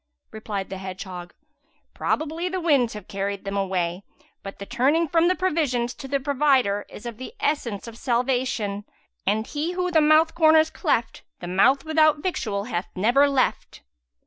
Replied the hedgehog, "Probably the winds have carried them away; but the turning from the provisions to the Provider is of the essence of salvation, and He who the mouth corners cleft, the mouth without victual hath never left."